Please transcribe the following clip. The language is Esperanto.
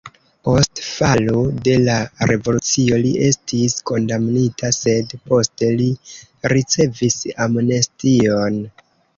Post falo de la revolucio li estis kondamnita, sed poste li ricevis amnestion.